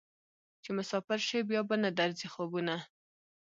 چې مسافر شې بیا به نه درځي خوبونه